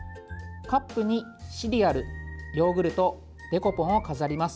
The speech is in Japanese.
カップにシリアル、ヨーグルトデコポンを飾ります。